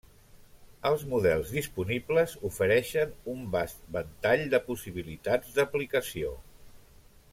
Els models disponibles ofereixen un vast ventall de possibilitats d'aplicació.